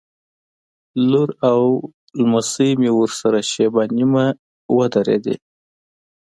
لور او نمسۍ مې ورسره شېبه نیمه ودرېدې.